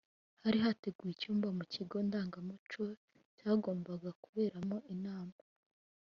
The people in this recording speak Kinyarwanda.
hari hateguwe icyumba mu kigo ndangamuco cyagombaga kuberamo inama.